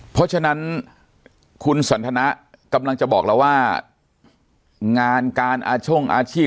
เพราะฉะนั้นคุณสันทนะกำลังจะบอกเราว่างานการอาช่งอาชีพ